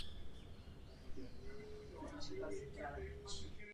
Nechť tento závazek partnerství najde své vyjádření v praxi.